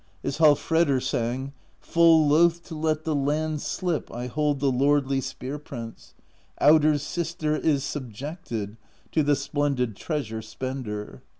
As Hallfredr sang Full loath to let the Land slip I hold the lordly Spear Prince: Audr's sister is subjected To the splendid Treasure Spender.